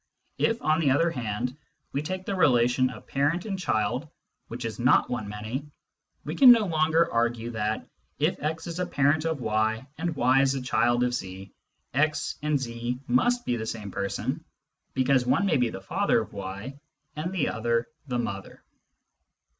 If, on the other hand, we take the relation of parent and child, which is not one many, we can no longer argue that, if x is a parent of y and y is a child of z, x and z must be the same person, because one may be the father of y and the other the mother.